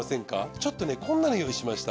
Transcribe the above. ちょっとねこんなの用意しました。